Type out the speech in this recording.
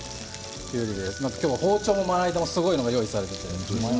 包丁もまな板も今日はすごいのが用意されています。